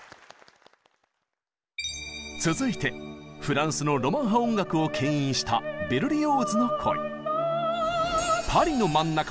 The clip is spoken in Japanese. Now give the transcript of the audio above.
続いてフランスのロマン派音楽をけん引したベルリオーズの恋。